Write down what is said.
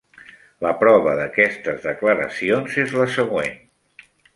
La prova d'aquestes declaracions és la següent.